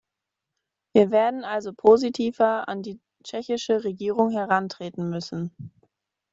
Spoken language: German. Wir werden also positiver an die tschechische Regierung herantreten müssen.